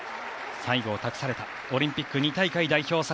最後を託されたオリンピック２大会代表